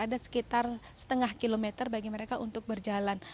ada sekitar setengah kilometer bagi mereka untuk berjalan